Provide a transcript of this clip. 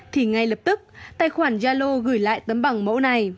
thì ngay lập tức tài khoản yalo gửi lại tấm bảng mẫu này